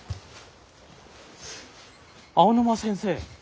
青沼先生。